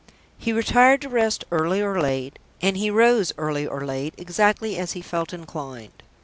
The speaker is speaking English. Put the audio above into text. He retired to rest early or late, and he rose early or late, exactly as he felt inclined.